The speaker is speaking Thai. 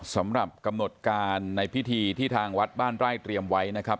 สำหรับกำหนดการในพิธีที่ทางวัดบ้านไร่เตรียมไว้นะครับ